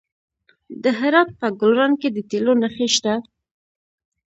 د هرات په ګلران کې د تیلو نښې شته.